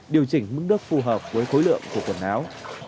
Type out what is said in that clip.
điều chỉnh mức nước phù hợp với khối lượng của quần áo